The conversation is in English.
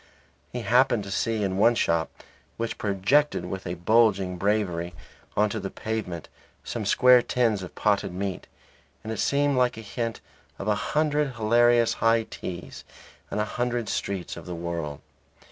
He happened to see in one shop which projected with a bulging bravery on to the pavement some square tins of potted meat, and it seemed like a hint of a hundred hilarious high teas in a hundred streets of the world.